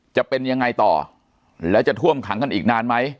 จะเป็นยังไงต่อแล้วจะท่วมขังกันอีกนานไหม